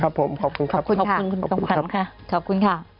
ครับผมขอบคุณครับขอบคุณค่ะขอบคุณค่ะขอบคุณครับ